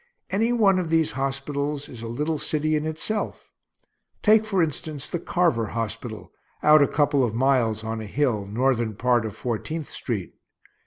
Any one of these hospitals is a little city in itself. Take, for instance, the Carver hospital, out a couple of miles, on a hill, northern part of Fourteenth street.